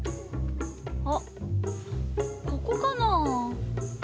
あっここかなぁ？